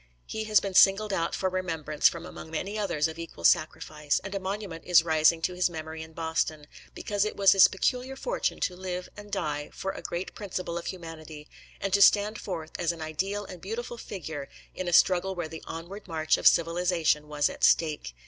He has been singled out for remembrance from among many others of equal sacrifice, and a monument is rising to his memory in Boston, because it was his peculiar fortune to live and die for a great principle of humanity, and to stand forth as an ideal and beautiful figure in a struggle where the onward march of civilization was at stake.